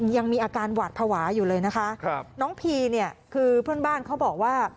ยังมีอาการหวาดภาวะอยู่เลยนะคะครับน้องพีเนี่ยคือเพื่อนบ้านเขาบอกว่า